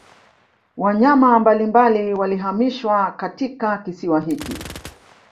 Wanyama mbalimbali walihamishiwa katika kisiwa hiki